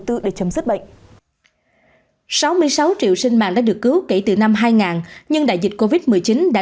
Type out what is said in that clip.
tư để chấm dứt bệnh sáu mươi sáu triệu sinh mạng đã được cứu kể từ năm hai nghìn nhưng đại dịch covid một mươi chín đã